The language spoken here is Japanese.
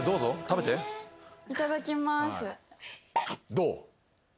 どう？